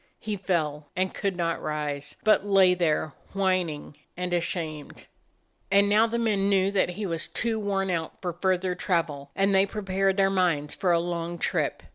He fell, and could not rise, but lay there, whining jand ashamed. And now the men knew that he was too worn out for further travel, and they prepared their minds for a long trip.